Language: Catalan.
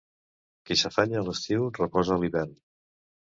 Qui s'afanya a l'estiu reposa a l'hivern.